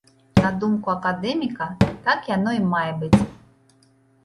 На думку акадэміка, так яно і мае быць.